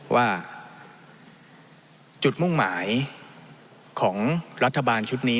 ว่าจุดมุ่งหมายของรัฐบาลชุดนี้